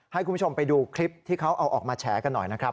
ให้คุณผู้ชมไปดูคลิปที่เขาเอาออกมาแฉกันหน่อยนะครับ